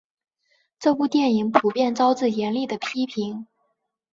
这部电影普遍招致严厉的批评。